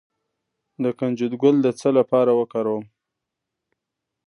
د کنجد ګل د څه لپاره وکاروم؟